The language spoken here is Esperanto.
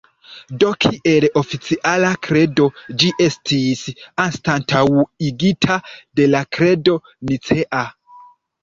Do kiel oficiala kredo, ĝi estis anstataŭigita de la Kredo Nicea.